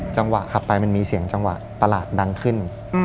จังหวะขับไปมันมีเสียงจังหวะประหลาดดังขึ้น